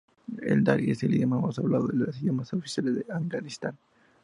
El dari es el idioma más hablado de los idiomas oficiales de Afganistán.